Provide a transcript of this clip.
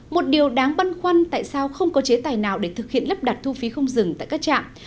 một điều đáng băn khoăn tại sao không có chế tài nào để thực hiện lắp đặt thu phí không dừng tại các trạm